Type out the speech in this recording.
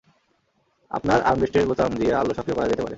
আপনার আর্মরেস্টের বোতাম দিয়ে আলো সক্রিয় করা যেতে পারে।